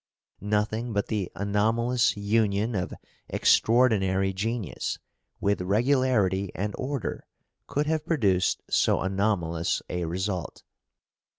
Nothing but the anomalous union of extraordinary genius with regularity and order could have produced so anomalous a result.